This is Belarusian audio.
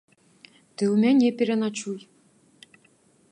Ты ў мяне пераначуй.